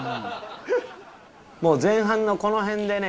もう前半のこの辺でね